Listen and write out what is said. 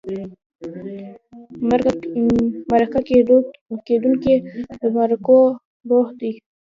مرکه کېدونکی د مرکو روح دی.